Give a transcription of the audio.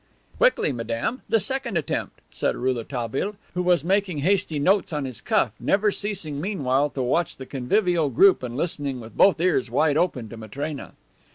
"Quickly, madame, the second attempt," said Rouletabille, who was aking hasty notes on his cuff, never ceasing, meanwhile, to watch the convivial group and listening with both ears wide open to Matrena.